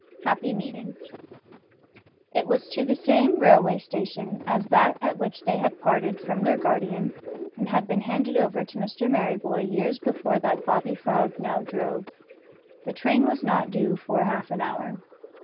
HAPPY MEETINGS. It was to the same railway station as that at which they had parted from their guardian and been handed over to Mr Merryboy years before that Bobby Frog now drove. The train was not due for half an hour.